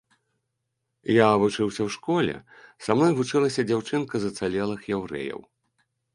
Я вучыўся ў школе, са мной вучылася дзяўчынка з ацалелых яўрэяў.